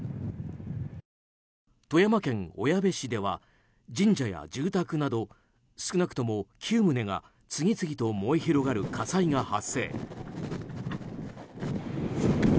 富山県小矢部市では神社や住宅など少なくとも９棟が次々と燃え広がる火災が発生。